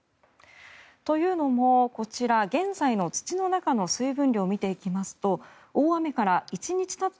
というのも、こちら現在の土の中の水分量を見ていきますと大雨から１日たった